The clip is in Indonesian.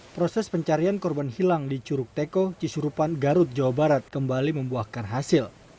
proses pencarian korban hilang di curug teko cisurupan garut jawa barat kembali membuahkan hasil